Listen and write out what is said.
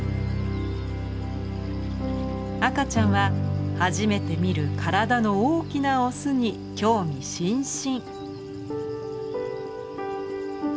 赤ちゃんは初めて見る体の大きなオスに興味津々。